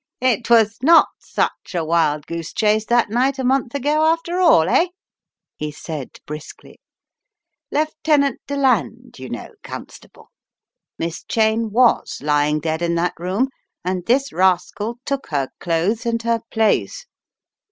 "It was not such a wild goose chase that night a month ago, after all, eh?" he said briskly. "Lieutenant Deland, you know, Constable. Miss Cheyne was lying dead in that room, and this rascal took her clothes and her place.